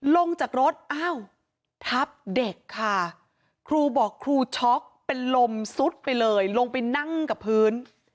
ลงจากรถอ้าวทับเด็กค่ะครูบอกครูช็อกเป็นลมซุดไปเลยลงไปนั่งกับพื้น